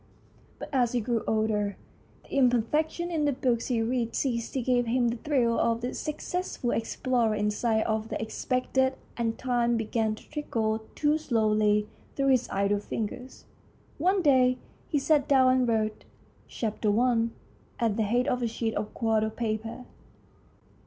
But as he grew older the imperfections in the books he read ceased to give him the thrill of the successful explorer in sight of the ex pected, and time began to trickle too slowly through his idle fingers. One day he sat down and wrote " Chapter I. " at the head of a sheet of quarto paper.